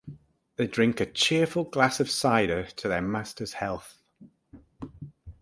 They drink a cheerful glass of cider to their master's health.